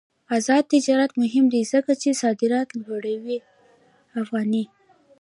آزاد تجارت مهم دی ځکه چې صادرات لوړوي افغاني.